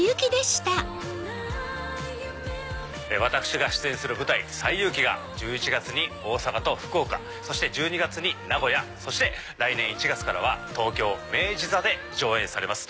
私が出演する舞台『西遊記』が１１月に大阪と福岡１２月に名古屋そして来年１月からは東京明治座で上演されます。